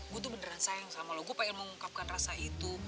gue tuh beneran sayang sama lo gue pengen mengungkapkan rasa itu